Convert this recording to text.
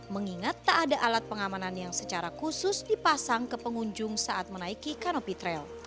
mengingat tak ada alat pengamanan yang secara khusus dipasang ke pengunjung saat menaiki kanopi trail